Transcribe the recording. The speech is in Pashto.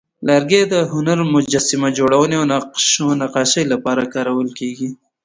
لرګی د هنر، مجسمه جوړونې، او نقش و نقاشۍ لپاره کارېږي.